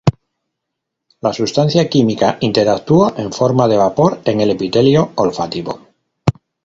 La sustancia química interactúa en forma de vapor en el epitelio olfativo.